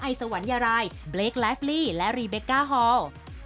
ไอสวรรยารายเบรคลาฟลี่และรีเบกก้าฮอลล์